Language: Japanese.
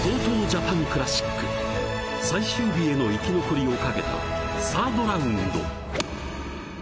◆ＴＯＴＯジャパンクラシック最終日への生き残りをかけたサードラウンド。